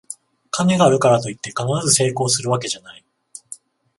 金があるからといって必ず成功するわけじゃない